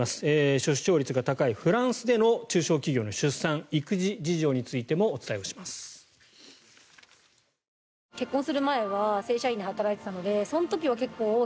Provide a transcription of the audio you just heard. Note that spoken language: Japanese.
出生率が高いフランスでの中小企業の出産育児事情についてもお伝えします。